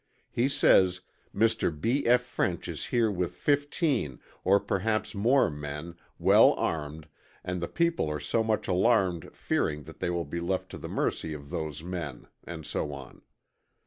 He says "Mr. B. F. French is here with fifteen, or perhaps, more men, well armed, and the people are so much alarmed fearing that they will be left to the mercy of those men" and so on.